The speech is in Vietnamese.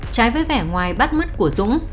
trái với vẻ ngoài bắt mất của dũng